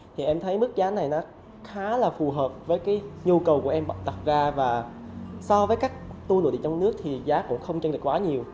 thì em thấy mức giá này nó khá là phù hợp với cái nhu cầu của em đặt ra và so với các tour nội địa trong nước thì giá cũng không tranh lệch quá nhiều